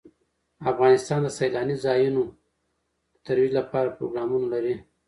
افغانستان د سیلانی ځایونه د ترویج لپاره پروګرامونه لري.